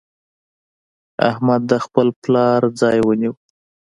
احمد د خپل پلار ځای ونيو.